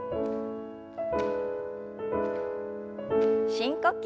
深呼吸。